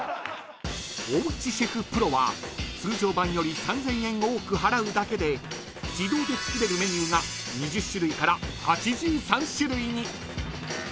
［おうちシェフＰＲＯは通常版より３，０００円多く払うだけで自動で作れるメニューが２０種類から８３種類に］